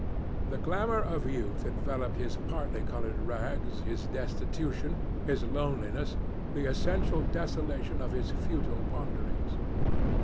The glamour of youth enveloped his particolored rags, his destitution, his loneliness, the essential desolation of his futile wanderings.